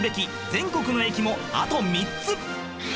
全国の駅もあと３つ！